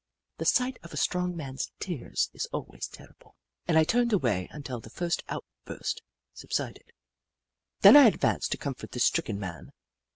The sight of a strong man's tears is always terrible, and I turned away until the first outburst subsided. Then I advanced to comfort the stricken man.